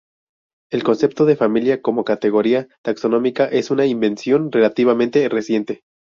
El concepto de familia como categoría taxonómica es una invención relativamente reciente.